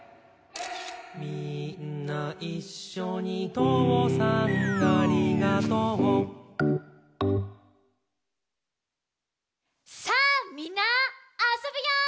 「みーんないっしょにとうさんありがとう」さあみんなあそぶよ！